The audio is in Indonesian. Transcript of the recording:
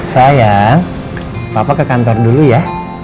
saya papa ke kantor dulu ya